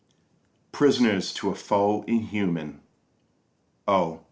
_ Prisoners to a foe inhuman, Oh!